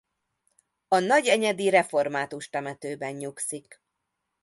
A nagyenyedi református temetőben nyugszik.